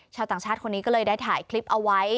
ชาวต่างชาติคนนี้ก็เลยได้ถ่ายคลิปเอาไว้